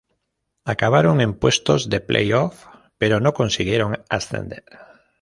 Acabaron en puestos de play-offs, pero no consiguieron ascender.